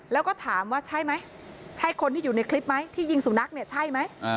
แล้วก็ถามว่าใช่ไหมใช่คนที่อยู่ในคลิปไหมที่ยิงสุนัขเนี่ยใช่ไหม